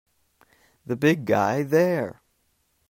The big guy there!